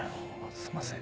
すいません。